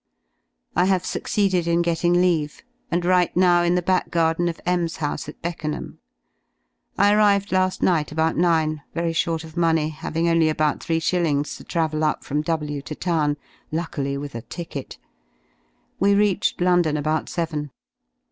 I have succeeded in getting leave, and write now in the back garden of M 's house at Beckenham. I arrived la^ night about nine, very short of money, having only about 3s. to travel up from W to town, luckily with a ticket. We reached London about seven.